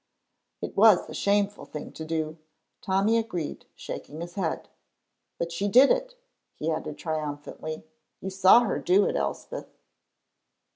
"It was a shameful thing to do," Tommy agreed, shaking his head. "But she did it!" he added triumphantly; "you saw her do it, Elspeth!"